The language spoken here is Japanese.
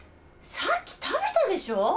さっき食べたでしょ！